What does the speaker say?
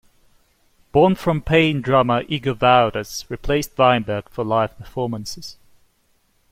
Born From Pain drummer Igor Wouters replaced Weinberg for live performances.